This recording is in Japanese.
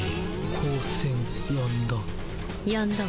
光線やんだ。